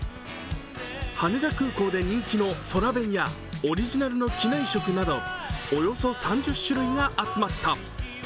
羽田空港で人気の空弁やオリジナルの機内食などおよそ３０種類が集まった。